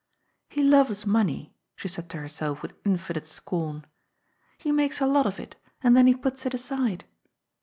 "He loves money," she said to herself with infinite scorn. " He makes a lot of it, and then he puts it aside.